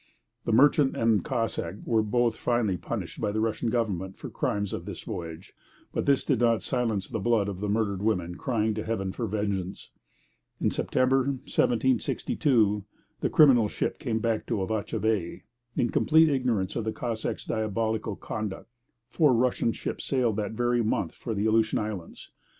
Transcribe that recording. The merchant and the Cossack were both finally punished by the Russian government for the crimes of this voyage; but this did not silence the blood of the murdered women crying to Heaven for vengeance. In September 1762 the criminal ship came back to Avacha Bay. In complete ignorance of the Cossack's diabolical conduct, four Russian ships sailed that very month for the Aleutian Islands.